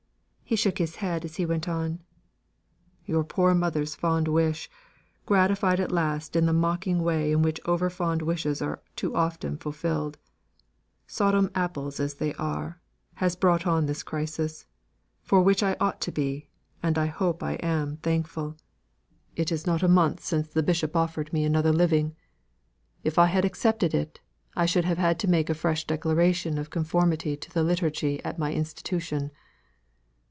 He shook his head as he went on. "Your poor mother's fond wish, gratified at last in the mocking way in which over fond wishes are too often fulfilled Sodom apples as they are has brought on this crisis, for which I ought to be, and I hope I am thankful. It is not a month since the bishop offered me another living; if I had accepted it, I should have had to make a fresh declaration of conformity to the Liturgy at my institution.